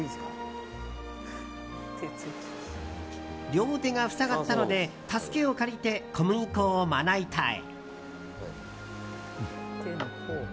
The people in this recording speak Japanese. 両手が塞がったので助けを借りて、小麦粉をまな板へ。